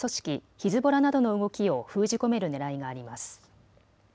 ヒズボラなどの動きを封じ込めるねらいがあります。